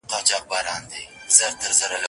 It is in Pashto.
دا اوښکي څه دي دا پر چا باندي عرضونه کوې؟